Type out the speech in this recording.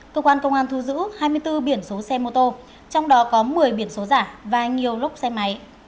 cơ quan công an thu giữ hai mươi bốn biển số xe mô tô trong đó có một mươi biển số giả và nhiều lúc xe máy